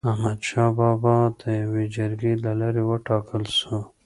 احمد شاه بابا د يوي جرګي د لاري و ټاکل سو.